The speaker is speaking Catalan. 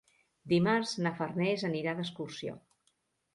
Dimarts na Farners anirà d'excursió.